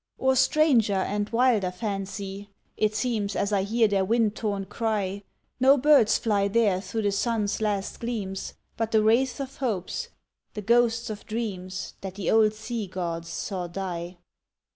Or stranger and wilder fancy it seems As I hear their wind torn cry, No birds fly there through the sun's last gleams, But the wraiths of hopes the ghosts of dreams That the old sea gods saw die.